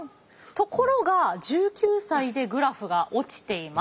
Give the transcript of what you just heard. ところが１９歳でグラフが落ちています。